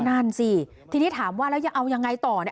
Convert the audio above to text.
นั่นสิทีนี้ถามว่าแล้วจะเอายังไงต่อเนี่ย